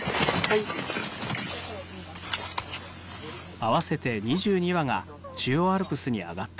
合わせて２２羽が中央アルプスに上がった。